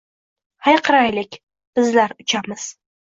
Hayqiraylik: Bizlar uchamiz!